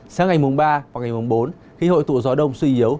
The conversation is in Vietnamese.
sáng ngày mùng ba và ngày mùng bốn khi hội tụ gió đông suy yếu